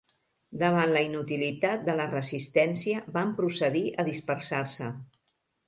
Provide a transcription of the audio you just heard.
Davant la inutilitat de la resistència van procedir a dispersar-se.